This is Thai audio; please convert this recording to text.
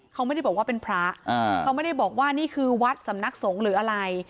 เขาไม่ได้บอกว่าเป็นพระเขาไม่ได้บอกว่านี่คือวัดสำนักสงฆ์หรืออะไร